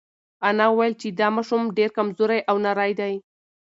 انا وویل چې دا ماشوم ډېر کمزوری او نری دی.